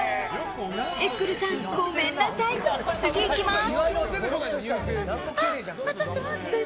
エッグルさん、ごめんなさい次、行きます。